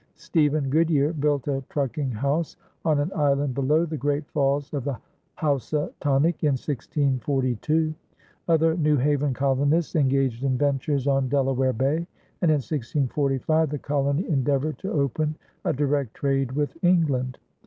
Stephen Goodyear built a trucking house on an island below the great falls of the Housatonic in 1642; other New Haven colonists engaged in ventures on Delaware Bay; and in 1645, the colony endeavored to open a direct trade with England.